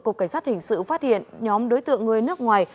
cục cảnh sát hình sự phát hiện nhóm đối tượng người nước ngoài